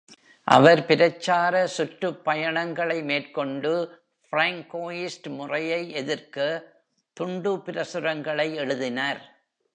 அவர், பிரச்சார சுற்றுப்பயணங்களை மேற்கொண்டு, பிராங்கோயிஸ்ட் முறையை எதிர்க்க துண்டு பிரசுரங்களை எழுதினார்.